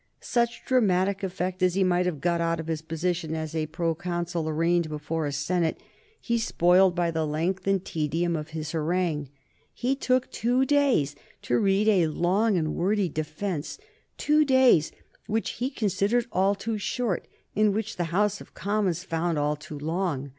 Such dramatic effect as he might have got out of his position as a proconsul arraigned before a senate he spoiled by the length and tedium of his harangue. He took two days to read a long and wordy defence, two days which he considered all too short, and which the House of Commons found all too long.